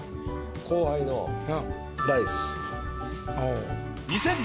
後輩の「ライス」。